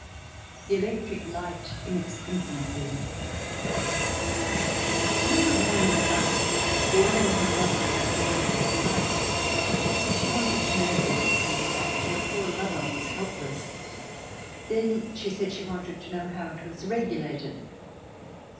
The Electric Light in its Infancy I heard a woman in a 'bus boring her lover about the electric light. She wanted to know this and that, and the poor lover was helpless. Then she said she wanted to know how it was regulated.